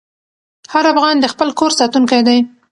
هر افغان د خپل کور ساتونکی دی.